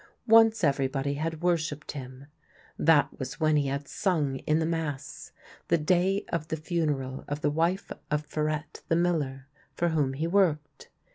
Once everybody had worshipped him : that was when he had sung in the Mass, the day of the funeral of the wife of Farette the miller, for whom he worked.